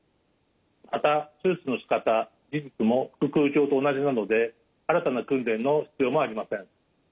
また手術のしかた技術も腹腔鏡と同じなので新たな訓練の必要もありません。